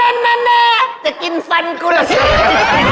อันนจะกินฟันกูเหรอ